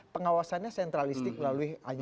pengawasannya sentralistik melalui